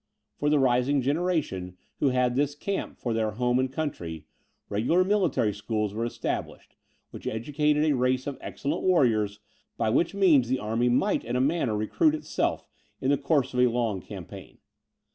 For the rising generation, who had this camp for their home and country, regular military schools were established, which educated a race of excellent warriors, by which means the army might in a manner recruit itself in the course of a long campaign.